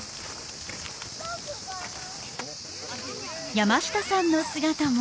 山下さんの姿も。